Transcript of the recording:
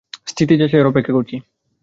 স্থিতি যাচাইয়ের অপেক্ষা করছি।